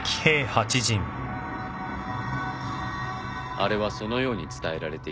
あれはそのように伝えられているのですね。